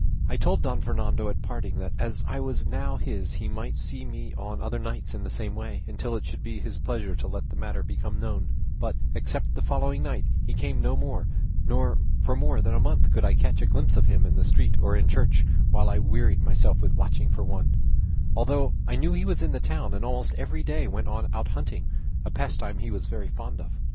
I told Don Fernando at parting, that as I was now his, he might see me on other nights in the same way, until it should be his pleasure to let the matter become known; but, except the following night, he came no more, nor for more than a month could I catch a glimpse of him in the street or in church, while I wearied myself with watching for one; although I knew he was in the town, and almost every day went out hunting, a pastime he was very fond of.